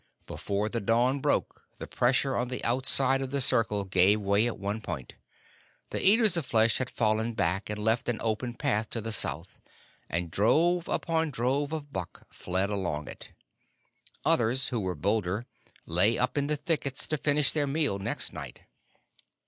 Before the dawn broke the pressure on the outside of the circle gave way at one point. The Eaters of Flesh had fallen back and left an open path to the south, and drove upon drove of buck fled along it. Others, who were bolder, lay up in the thickets to finish their meal next night.